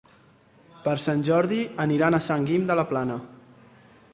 Per Sant Jordi aniran a Sant Guim de la Plana.